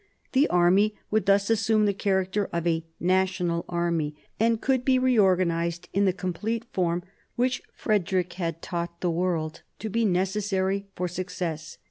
The army would thus assume the. character of a national army, and could be reorganised in * the complete form which Frederick had taught the world to be necessary for success.